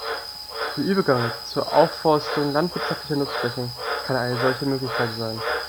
Der Übergang zur Aufforstung landwirtschaftlicher Nutzflächen kann eine solche Möglichkeit sein.